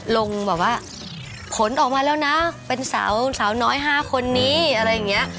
ลงแบบว่าผลออกมาแล้วนะเป็นสาวน้อย๕คนนี้อะไรอย่างนี้